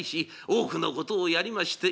多くのことをやりまして